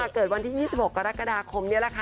เกิดวันที่๒๖กรกฎาคมนี่แหละค่ะ